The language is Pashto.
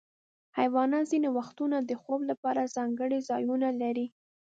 حیوانات ځینې وختونه د خوب لپاره ځانګړي ځایونه لري.